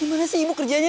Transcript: dimana sih ibu kerjanya